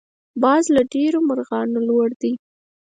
باز له ډېرو مرغانو لوړ دی